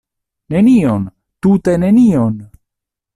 Nenion, tute nenion!